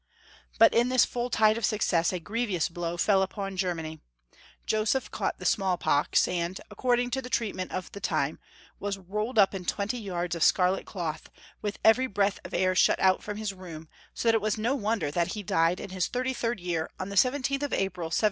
But in this full tide of success a grievous blow fell upon Germany. Joseph caught the smallpox, and, according to the treatment of the time, was rolled up in twenty yards of scarlet cloth, with every breath of air shut out from his room, so that it was no wonder that he died in his tliirty third year, on the 17th of April, 1711.